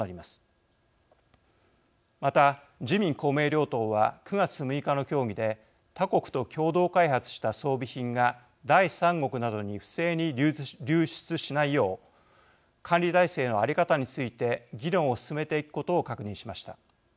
また自民・公明両党は９月６日の協議で他国と共同開発した装備品が第三国などに不正に流出しないよう管理体制の在り方について議論を進めていくことを確認しました。